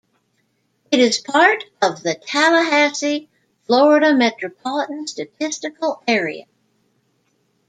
It is part of the Tallahassee, Florida Metropolitan Statistical Area.